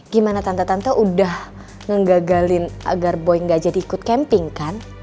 gimana tante tante udah ngegagalin agar boeing gak jadi ikut camping kan